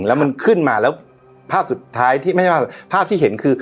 แล้วมันขึ้นมาแล้วภาพสุดท้ายที่ไม่ใช่ว่าภาพที่เห็นคือ